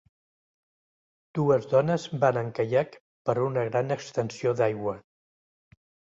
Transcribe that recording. Dues dones van en caiac per una gran extensió d'aigua.